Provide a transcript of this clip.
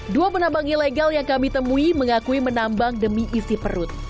dua penambang ilegal yang kami temui mengakui menambang demi isi perut